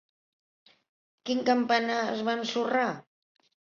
Quin campanar es va ensorrar?